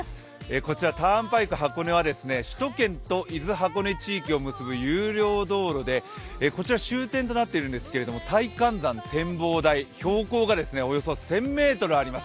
こちらターンパイク箱根は首都圏と伊豆・箱根地域を結ぶ有料道路で、こちら、終点となっているんですけど大観山展望台、標高がおよそ１０００ｍあります。